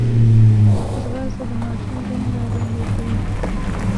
ځغاسته د ماشوم ذهن راژوندی کوي